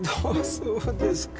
そうですか。